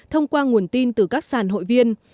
thông qua nguồn tin từ các sản hội viên